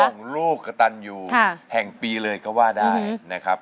ลูกกระตันอยู่แห่งปีเลยก็ว่าได้นะครับ